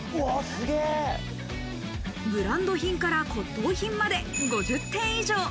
ブランド品から骨董品まで５０点以上。